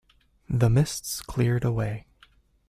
The mists cleared away.